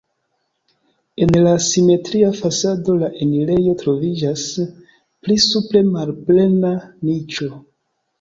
En la simetria fasado la enirejo troviĝas, pli supre malplena niĉo.